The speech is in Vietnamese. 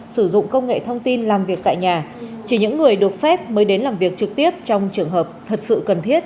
sử dụng công nghệ thông tin làm việc tại nhà chỉ những người được phép mới đến làm việc trực tiếp trong trường hợp thật sự cần thiết